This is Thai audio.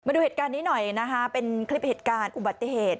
ดูเหตุการณ์นี้หน่อยนะคะเป็นคลิปเหตุการณ์อุบัติเหตุ